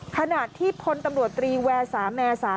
ขณะที่พลตำรวจตรีแวสาแมสา